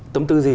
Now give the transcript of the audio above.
tấm tư gì